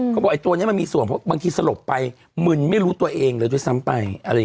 เขาบอกว่าตัวนี้มันมีส่วนเพราะบางทีสลบไปมึนไม่รู้ตัวเองเลยด้วยซ้ำไป